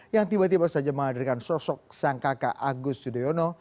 yang tiba tiba saja menghadirkan sosok sang kakak agus yudhoyono